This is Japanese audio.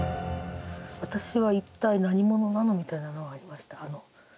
私は一体何者なの？みたいのはありました。